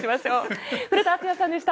古田敦也さんでした。